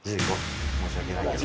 申し訳ないけど。